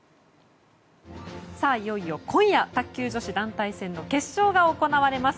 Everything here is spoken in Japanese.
いよいよ今夜卓球女子団体戦の決勝が行われます。